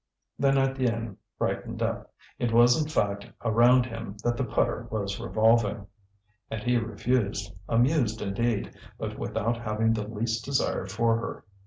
Then Étienne brightened up. It was in fact around him that the putter was revolving. And he refused, amused indeed, but without having the least desire for her.